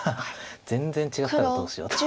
全然違ったらどうしようと。